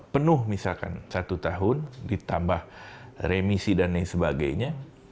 penuh misalkan satu tahun ditambah remisi dan lain sebagainya